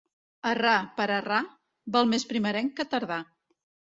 Errar per errar, val més primerenc que tardà.